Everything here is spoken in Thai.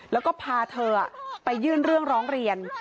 แล้วก็พาเธอไปยื่นเรื่องร้องเรียน